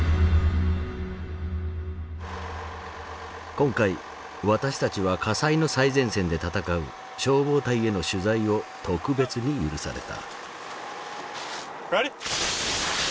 今回私たちは火災の最前線で闘う消防隊への取材を特別に許された。